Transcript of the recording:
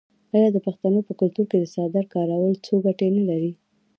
آیا د پښتنو په کلتور کې د څادر کارول څو ګټې نلري؟